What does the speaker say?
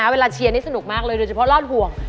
เวลาเชียร์สนุกเลยนัดส่วนป้อมรอบห่วง